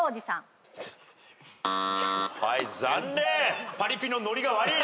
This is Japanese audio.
はい残念。